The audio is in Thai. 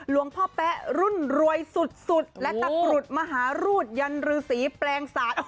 แป๊ะรุ่นรวยสุดและตะกรุดมหารูดยันรือสีแปลงศาสตร์